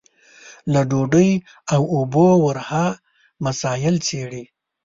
له ډوډۍ او اوبو ورها مسايل څېړي.